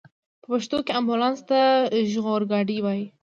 په پښتو کې امبولانس ته ژغورګاډی وايي.